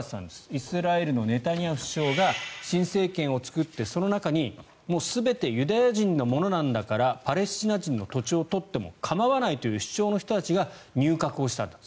イスラエルのネタニヤフ首相が新政権を作って、その中に全てユダヤ人のものなんだからパレスチナ人の土地を取っても構わないという主張の人たちが入閣をしたと。